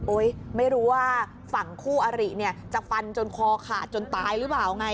ไม่รู้ว่าฝั่งคู่อริเนี่ยจะฟันจนคอขาดจนตายหรือเปล่าไง